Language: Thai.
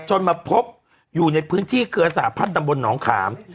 จนมาพบอยู่ในพื้นที่เกือบสหภัฐดำบลหนองขาม